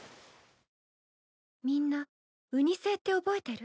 みんなウニ星って覚えてる？